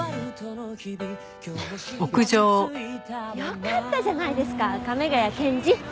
よかったじゃないですか亀ヶ谷検事！